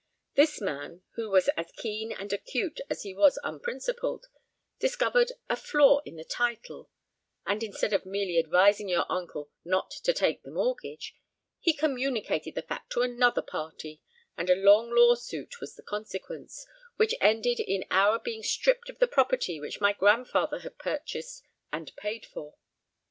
This man, who was as keen and acute as he was unprincipled, discovered a flaw in the title; and instead of merely advising your uncle not to take the mortgage, he communicated the fact to another party, and a long law suit was the consequence, which ended in our being stripped of the property which my grandfather had purchased and paid for.